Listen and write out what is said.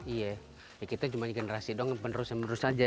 iya kita cuma generasi dong menerus menerus aja ya